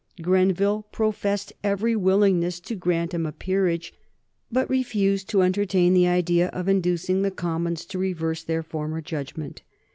Grenville professed every willingness to grant him a peerage, but refused to entertain the idea of inducing the Commons to reverse their former judgment.